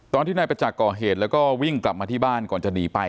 ตอนที่นายประจักษ์ก่อเหตุแล้วก็วิ่งกลับมาที่บ้านก่อนจะหนีไป